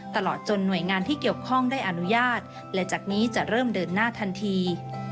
ตลอดจนหน่วยงานที่เกี่ยวข้องได้อนุญาตและจากนี้จะเริ่มเดินหน้าทันที